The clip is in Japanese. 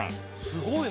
すごい！